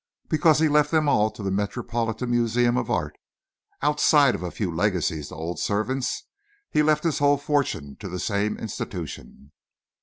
"Because he left them all to the Metropolitan Museum of Art. Outside of a few legacies to old servants, he left his whole fortune to the same institution."